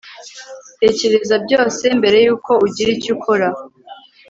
Tekereza byose mbere yuko ugira icyo ukora